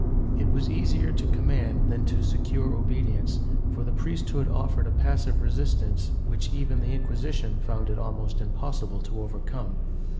^ It was easier to command than to secure obedience, for the priesthood offered a passive resistance which even the Inquisition found it almost impossible to over come.